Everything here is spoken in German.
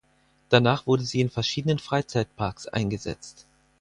Danach wurde sie in verschiedenen Freizeitparks eingesetzt.